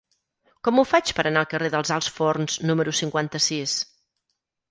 Com ho faig per anar al carrer dels Alts Forns número cinquanta-sis?